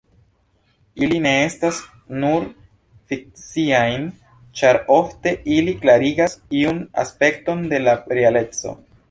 Ili ne estas nur fikciaj, ĉar ofte ili klarigas iun aspekton de la realeco.